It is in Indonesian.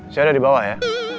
saya udah di bawah ya